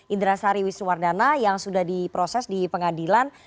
indra sari wisnuwardana yang sudah diproses di pengadilan